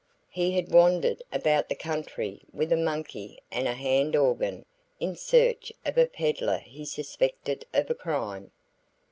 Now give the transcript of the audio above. He had wandered about the country with a monkey and a hand organ in search of a peddler he suspected of a crime.